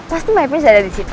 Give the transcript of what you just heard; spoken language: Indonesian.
pasti mypants ada disitu